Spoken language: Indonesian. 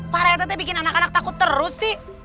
parete bikin anak anak takut terus sih